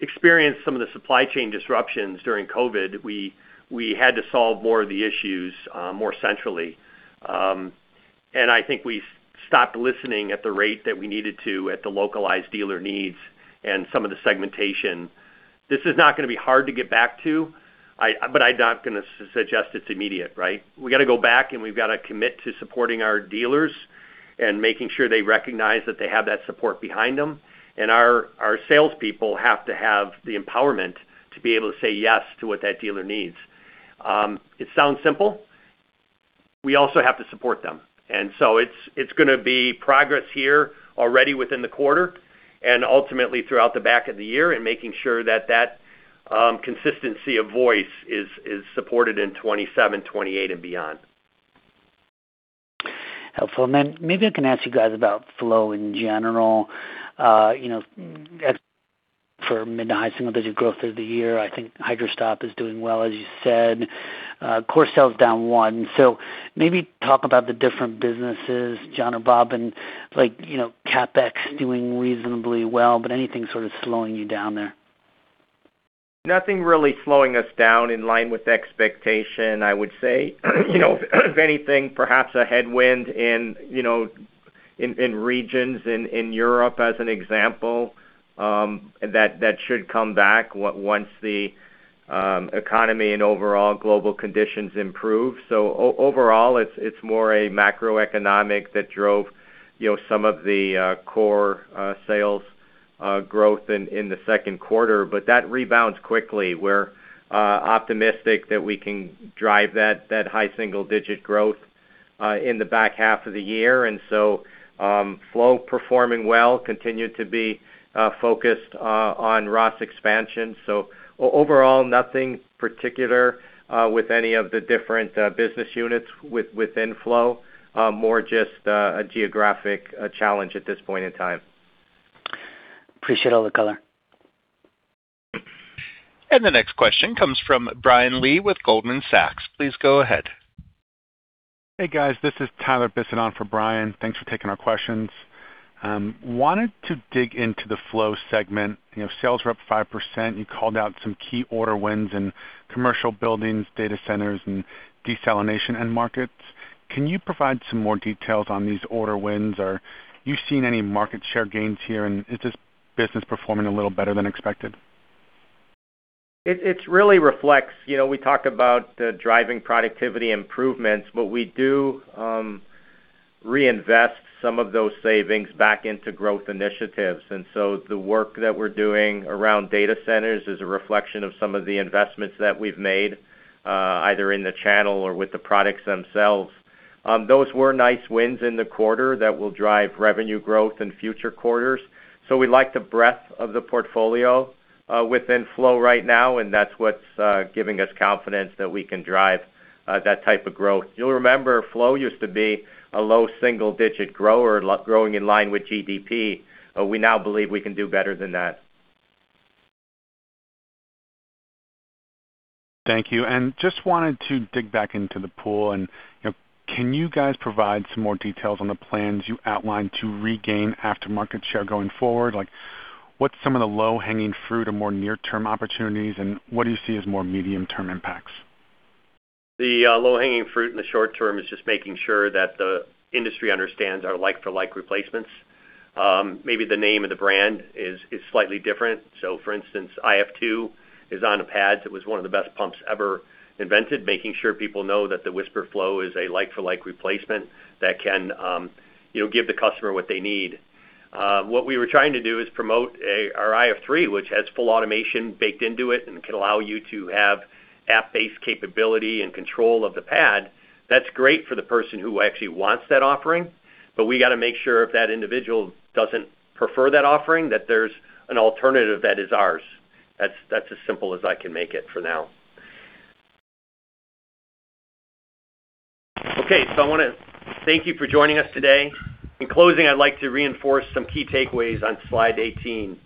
experienced some of the supply chain disruptions during COVID, we had to solve more of the issues more centrally. I think we stopped listening at the rate that we needed to at the localized dealer needs and some of the segmentation. This is not going to be hard to get back to, but I'm not going to suggest it's immediate, right? We got to go back, and we've got to commit to supporting our dealers and making sure they recognize that they have that support behind them. Our salespeople have to have the empowerment to be able to say yes to what that dealer needs. It sounds simple. We also have to support them. It's going to be progress here already within the quarter and ultimately throughout the back of the year and making sure that consistency of voice is supported in 2027, 2028, and beyond. Helpful. Maybe I can ask you guys about Flow in general. For mid to high single-digit growth through the year, I think Hydra-Stop is doing well, as you said. Core sales down 1%. Talk about the different businesses, John or Bob, and like CapEx doing reasonably well, but anything sort of slowing you down there? Nothing really slowing us down in line with expectation, I would say. If anything, perhaps a headwind in regions in Europe, as an example, that should come back once the economy and overall global conditions improve. Overall, it's more a macroeconomic that drove some of the core sales growth in the second quarter, but that rebounds quickly. We're optimistic that we can drive that high single-digit growth in the back half of the year. Flow performing well continued to be focused on ROS expansion. Overall, nothing particular with any of the different business units within Flow. More just a geographic challenge at this point in time. Appreciate all the color. The next question comes from Brian Lee with Goldman Sachs. Please go ahead. Hey, guys, this is Tyler Bisson for Brian. Thanks for taking our questions. Wanted to dig into the Flow segment. Sales were up 5%. You called out some key order wins in commercial buildings, data centers, and desalination end markets. Can you provide some more details on these order wins? Are you seeing any market share gains here, and is this business performing a little better than expected? It really reflects. We talk about the driving productivity improvements, but we do reinvest some of those savings back into growth initiatives. The work that we're doing around data centers is a reflection of some of the investments that we've made, either in the channel or with the products themselves. Those were nice wins in the quarter that will drive revenue growth in future quarters. We like the breadth of the portfolio within Flow right now, and that's what's giving us confidence that we can drive that type of growth. You'll remember, Flow used to be a low single digit grower growing in line with GDP. We now believe we can do better than that. Thank you. Just wanted to dig back into the Pool and can you guys provide some more details on the plans you outlined to regain aftermarket share going forward? What's some of the low-hanging fruit or more near-term opportunities, and what do you see as more medium-term impacts? The low-hanging fruit in the short term is just making sure that the industry understands our like-for-like replacements. Maybe the name of the brand is slightly different. For instance, IF2 is on the pads. It was one of the best pumps ever invented. Making sure people know that the WhisperFlo is a like-for-like replacement that can give the customer what they need. What we were trying to do is promote our IF3, which has full automation baked into it and can allow you to have app-based capability and control of the pad. That's great for the person who actually wants that offering, but we got to make sure if that individual doesn't prefer that offering, that there's an alternative that is ours. That's as simple as I can make it for now. I want to thank you for joining us today. In closing, I'd like to reinforce some key takeaways on slide 18.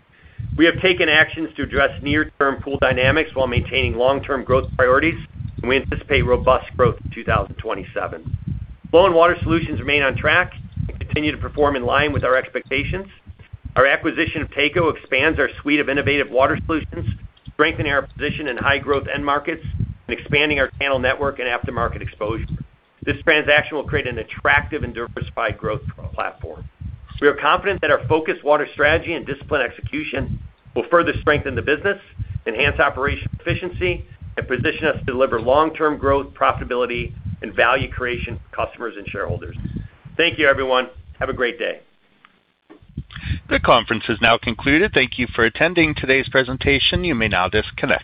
We have taken actions to address near-term Pool dynamics while maintaining long-term growth priorities, and we anticipate robust growth in 2027. Flow and Water Solutions remain on track and continue to perform in line with our expectations. Our acquisition of Taco expands our suite of innovative Water Solutions, strengthening our position in high-growth end markets and expanding our channel network and aftermarket exposure. This transaction will create an attractive and diversified growth platform. We are confident that our focused water strategy and disciplined execution will further strengthen the business, enhance operational efficiency, and position us to deliver long-term growth, profitability, and value creation for customers and shareholders. Thank you, everyone. Have a great day. The conference is now concluded. Thank you for attending today's presentation. You may now disconnect.